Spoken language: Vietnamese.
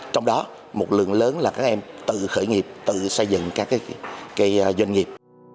trong đó một lượng lớn là các em tự khởi nghiệp tự xây dựng các doanh nghiệp